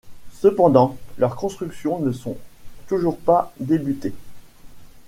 Cependant, leurs constructions ne sont toujours pas débutés.